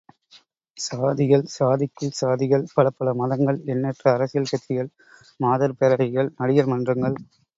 சாதிகள், சாதிக்குள் சாதிகள், பலப்பல மதங்கள், எண்ணற்ற அரசியல் கட்சிகள், மாதர் பேரவைகள், நடிகர் மன்றங்கள்!